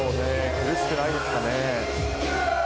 苦しくないですかね。